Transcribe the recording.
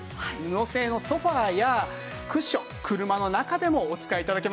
布製のソファやクッション車の中でもお使い頂けます。